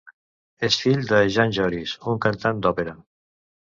És fill de Jan Joris, un cantant d'òpera.